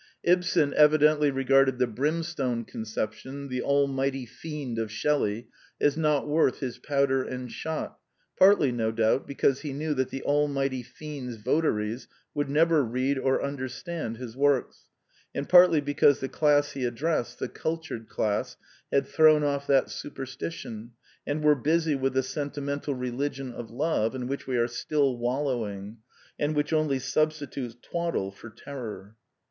Ibsen evidently regarded the brimstone conception, " the Almighty Fiend " of Shelley, as not worth his powder and shot, partly, no doubt, because he knew that the Almighty Fiend's votaries would never read or understand his works, and partly because the class he addressed, the cultured class, had thrown off that superstition, and were busy with the senti mental religion of love in which we are still wal lowing, and which only substitutes twaddle for terror.